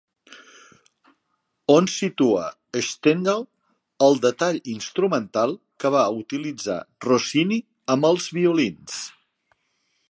On situa Stendhal el detall instrumental que va utilitzar Rossini amb els violins?